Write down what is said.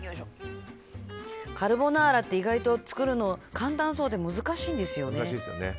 カルボナーラって意外と簡単そうで難しいんですよね。